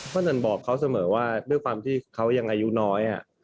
นั่นบอกเขาเสมอว่าด้วยความที่เขายังอายุน้อย